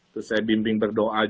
terus saya bimbing berdoa